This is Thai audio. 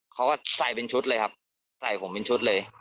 เขาก็ใส่เป็นชุดเลยครับใส่ผมเป็นชุดเลย